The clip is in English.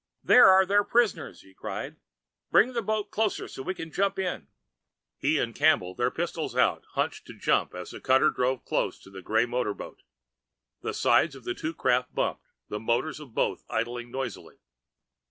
"There are their prisoners!" he cried. "Bring the boat closer so we can jump in!" He and Campbell, their pistols out, hunched to jump as the cutter drove closer to the gray motor boat. The sides of the two craft bumped, the motors of both idling noisily.